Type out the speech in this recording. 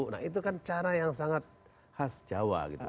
nah itu kan cara yang sangat khas jawa gitu